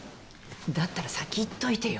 だったら先言っといてよ。